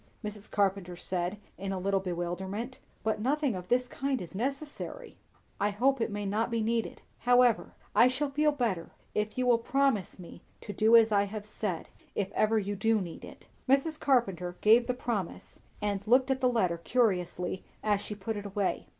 Mrs. Carpenter said in a little bewilderment; "but nothing of this kind is necessary." "I hope it may not be needed; however, I shall feel better, if you will promise me to do as I have said, if ever you do need it." Mrs. Carpenter gave the promise, and looked at the letter curiously as she put it away.